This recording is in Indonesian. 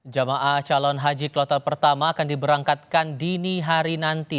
jemaah calon haji kloter pertama akan diberangkatkan dini hari nanti